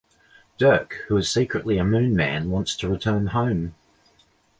Dirk, who is secretly a Moon man, wants to return home.